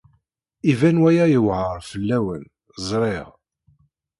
Iban waya yewɛeṛ fell-awen, ẓriɣ.